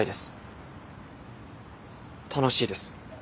楽しいです